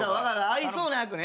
合いそうな役ね。